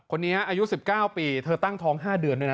คนนี้อายุสิบเก้าปีเธอตั้งท้องห้าเดือนด้วยน่ะ